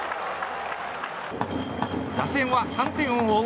打線は３点を追う